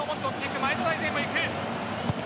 前田大然もいく。